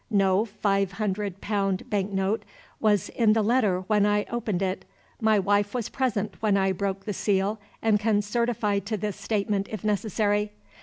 No five hundred pound bank note was in the letter when I opened it. My wife was present when I broke the seal, and can certify to this statement if necessary.